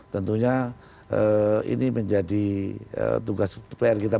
tentunya ini menjadi tugas yang sangat penting